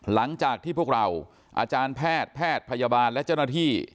หลังจากที่พวกเราอาจารย์แพทย์แพทย์พยาบาลและเจ้าหน้าที่